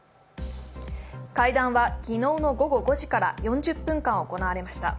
会談は昨日の午後５時から４０分間行われました。